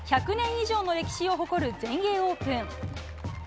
１００年以上の歴史を誇る全英オープン。